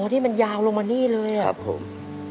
ที่มันยาวลงมานี่เลยครับผม